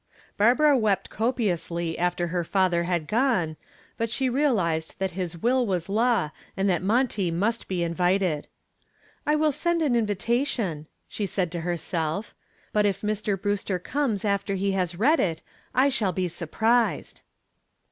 Barbara wept copiously after her father had gone, but she realized that his will was law and that Monty must be invited. "I will send an invitation," she said to herself, "but if Mr. Brewster comes after he has read it, I shall be surprised."